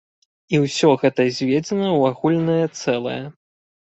І ўсё гэта зведзена ў агульнае цэлае.